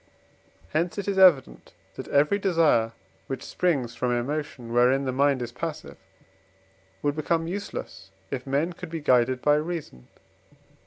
Hence it is evident that every desire which springs from emotion, wherein the mind is passive, would become useless, if men could be guided by reason.